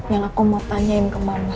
yang aku mau tanyain ke mama